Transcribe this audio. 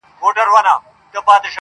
• لکه باران را اورېدلې پاتېدلې به نه ..